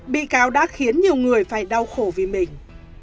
bị cáo đã khiến nhiều người phải đau khổ vì mình